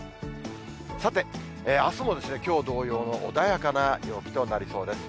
さて、あすもきょう同様の穏やかな陽気となりそうです。